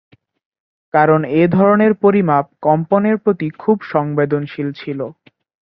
কারণ এ ধরনের পরিমাপ কম্পনের প্রতি খুব সংবেদনশীল ছিল।